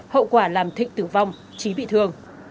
hậu quả làm thịnh tử vong trí bị thương